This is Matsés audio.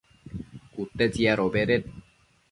cute tsiadobeded